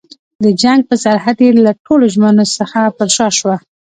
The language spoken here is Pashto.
د جنګ پر سرحد یې له ټولو ژمنو څخه پر شا شوه.